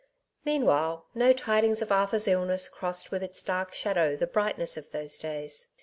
Meanwhile, no tidings of Arthur's illness crossed with its dark shadow the brightness of those days.